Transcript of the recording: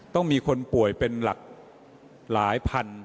ต้องมีคนป่วยเป็นหลักหลายพัน